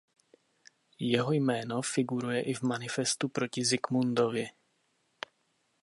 Jeho jméno figuruje i v manifestu proti Zikmundovi.